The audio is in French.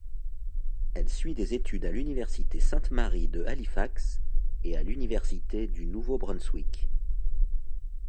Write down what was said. Elle suit des études à l'Université Sainte-Marie de Halifax et à l'Université du Nouveau-Brunswick.